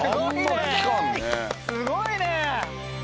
すごいね。